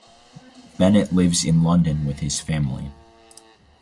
Bennett lives in London with his family.